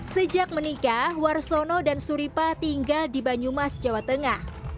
sejak menikah warsono dan suripa tinggal di banyumas jawa tengah